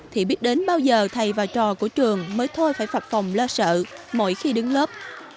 thì biết đến bao giờ thầy và trò của trường mới thôi phải phạt phòng lo sợ mỗi khi đứng lớp